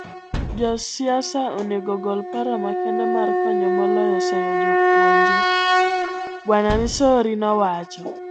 Jo siasa onego ogol paro makende mar konyo moloyo seyo jopuonje, Bw. Misori nowacho.